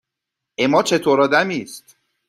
اِما چطور آدمی است؟